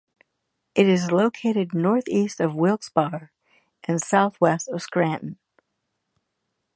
It is located northeast of Wilkes Barre and southwest of Scranton.